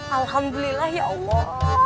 alhamdulillah ya allah